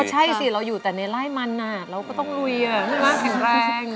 ก็ใช่สิเราอยู่แต่ในไร้มันอ่ะเราก็ต้องลุยอ่ะไม่ว่าแข็งแรง